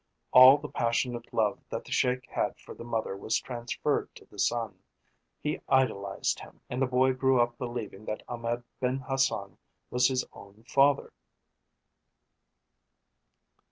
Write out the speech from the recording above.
All the passionate love that the Sheik had for the mother was transferred to the son. He idolised him, and the boy grew up believing that Ahmed Ben Hassan was his own father.